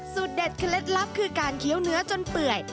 เด็ดเคล็ดลับคือการเคี้ยวเนื้อจนเปื่อย